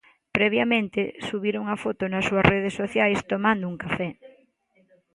Previamente, subira unha foto nas súas redes sociais tomando un café.